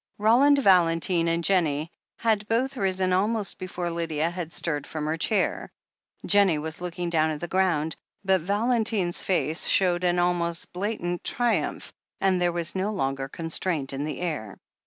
Roland Valentine and Jennie had both risen almost before Lydia had stirred from her chair. Jennie was looking down at the ground, but Valentine's face showed an almost blatant triumph, and there was no longer constraint in the air.